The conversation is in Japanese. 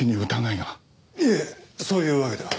いえそういうわけでは。